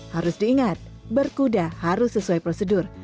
harus diingat berkuda harus sesuai prosedur